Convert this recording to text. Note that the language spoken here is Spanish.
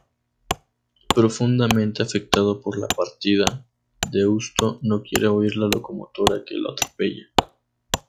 Profundamente afectado por la partida, Deusto no quiere oír la locomotora que lo atropella.